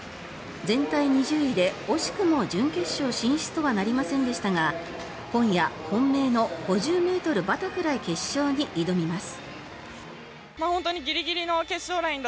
全体２０位で惜しくも準決勝進出とはなりませんでしたが今夜、本命の５０ｍバタフライ決勝に挑みます。